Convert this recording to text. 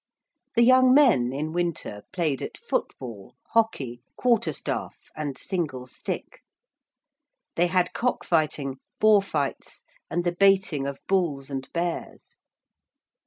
The young men, in winter, played at football, hockey, quarterstaff, and single stick. They had cock fighting, boar fights, and the baiting of bulls and bears.